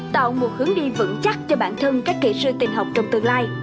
tạo một hướng đi vững chắc cho bản thân các kỹ sư tình học trong tương lai